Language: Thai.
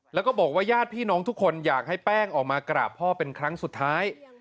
แล้วก็บอกว่าญาติพี่น้องทุกคนอยากให้แป้งออกมากราบพ่อเป็นครั้งสุดท้าย